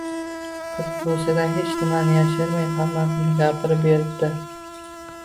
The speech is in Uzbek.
Qiz buvisidan hech nimani yashirmay, hammasini gapirib beribdi